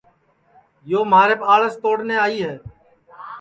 یو مھاریپ آڑس توڑنے آئی ہے